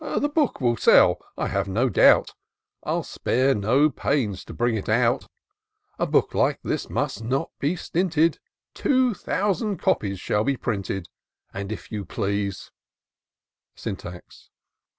The book will sell, I have no doubt, I'll spare no pains to bring it out : A work like this must not be stinted. Two thousand copies shall be printed. And if you please " Syntax.